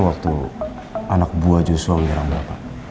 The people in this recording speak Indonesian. waktu anak buah joshua menyerang bapak